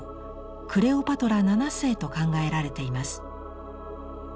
クレオパトラ７世と考えられています。